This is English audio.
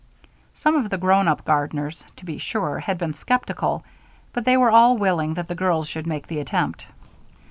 Some of the grown up gardeners, to be sure, had been skeptical, but they were all willing that the girls should make the attempt.